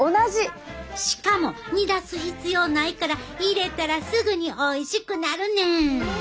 しかも煮出す必要ないから入れたらすぐにおいしくなるねん！